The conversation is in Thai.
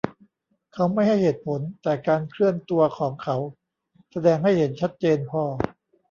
เขาไม่ให้เหตุผล แต่การเคลื่อนตัวของเขาแสดงให้เห็นชัดเจนพอ